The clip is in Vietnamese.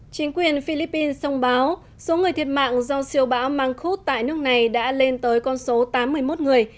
chính quyền philippines thông báo số người thiệt mạng do siêu bão mang khúc tại nước này đã lên tới con số tám mươi một người